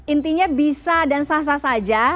intinya bisa dan sah sah saja